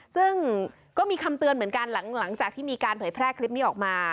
ซึ่งก็มีคำเตือนเหมือนกันหลังจากที่มีการเผยแพร่คลิปนี้ออกมา